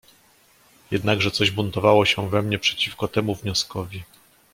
"Jednakże coś buntowało się we mnie przeciwko temu wnioskowi."